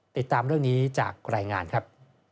ติดตามเรื่องนี้จากรายงานครับ